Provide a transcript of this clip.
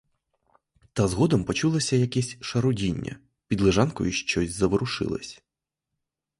Та згодом почулось якесь шарудіння: під лежанкою щось заворушилось.